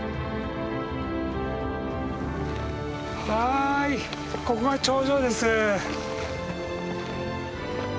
はいここが頂上です。